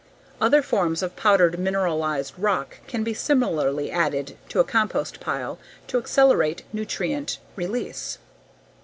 Other forms of powdered mineralized rock can be similarly added to a compost pile to accelerate nutrient release.